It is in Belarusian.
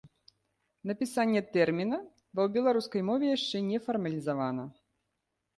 Напісанне тэрміна ва беларускай мове яшчэ не фармалізавана.